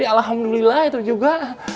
alhamdulillah itu juga